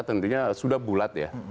tentunya sudah bulat ya